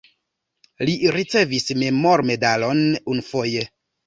Li ricevis memormedalon unufoje.